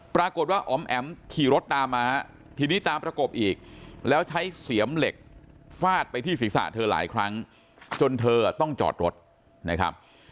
อ๋อมแอ๋มขี่รถตามมาทีนี้ตามประกบอีกแล้วใช้เสียมเหล็กฟาดไปที่ศีรษะเธอหลายครั้งจนเธอต้องจอดรถนะครับ